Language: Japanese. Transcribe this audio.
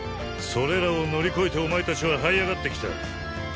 それらを乗り越えてお前たちははい上がってきた。